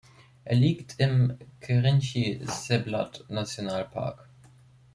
Er liegt im Kerinchi-Seblat-Nationalpark.